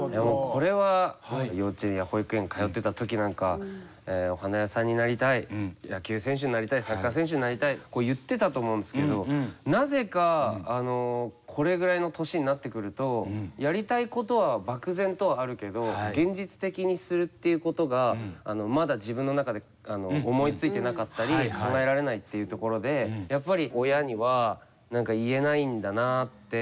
これは幼稚園や保育園に通ってたときなんかはお花屋さんになりたい野球選手になりたいサッカー選手になりたい言ってたと思うんですけどなぜかこれぐらいの年になってくるとやりたいことは漠然とはあるけど現実的にするっていうことがまだ自分の中で思いついてなかったり考えられないっていうところでやっぱり親には言えないんだなって